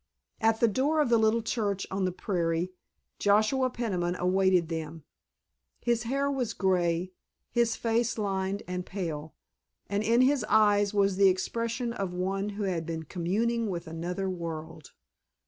At the door of the little church on the prairie Joshua Peniman awaited them. His hair was grey, his face lined and pale, and in his eyes was the expression of one who had been communing with another world.